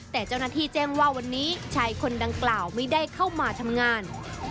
แต่เจ้าหน้าที่แจ้งว่าวันนี้ชายคนดังกล่าวไม่ได้เข้ามาทำงาน